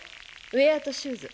ウエアとシューズ。